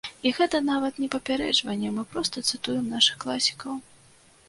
І гэта нават не папярэджванне, мы проста цытуем нашых класікаў.